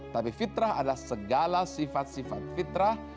tapi fitrah adalah segala sifat sifat fitrah